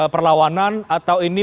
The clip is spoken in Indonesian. perlawanan atau ini